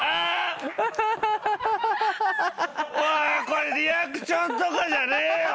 これリアクションとかじゃねえよ。